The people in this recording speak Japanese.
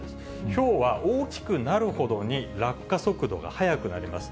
ひょうは大きくなるほどに、落下速度が速くなります。